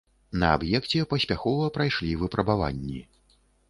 На аб'екце паспяхова прайшлі выпрабаванні.